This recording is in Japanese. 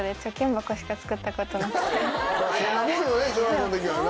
そんなもんよね小学校の時はな。